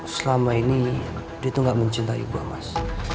selama ini dia tuh gak mencintai gue mas